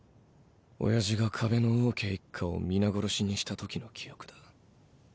親父が壁の王家一家を皆殺しにした時の記憶だ。